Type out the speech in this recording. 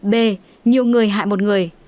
b nhiều người hại một người